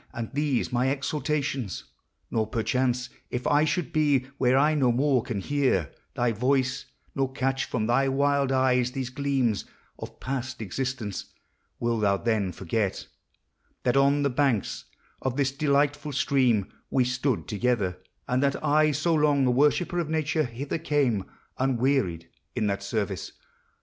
And these my exhortations! Nor. perchance, — If I should be where I no more can hear Thy voice, nor catch from thy wild eyes these gleams Of past existence, — wilt thou then forget That on the banks of this delightful stream We stood together; and that I, so long A worshipper of Nature, hither came Unwearied in that service?